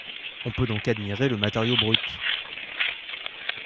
On peut donc admirer le matériau brut.